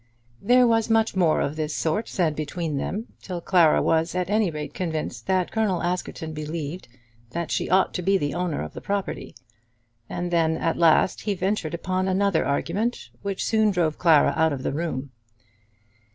There was much more of this sort said between them, till Clara was at any rate convinced that Colonel Askerton believed that she ought to be the owner of the property. And then at last he ventured upon another argument which soon drove Clara out of the room.